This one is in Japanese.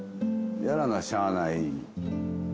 やらなしゃーない。